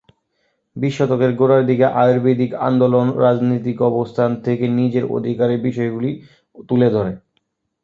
বিশ শতকের গোড়ার দিকে আয়ুর্বেদিক আন্দোলন রাজনৈতিক অবস্থান থেকে নিজের অধিকারের বিষয়গুলি তুলে ধরে।